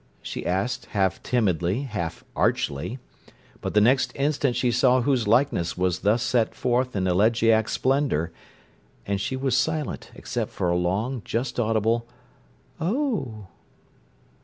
she asked half timidly, half archly. But the next instant she saw whose likeness was thus set forth in elegiac splendour—and she was silent, except for a long, just audible "Oh!"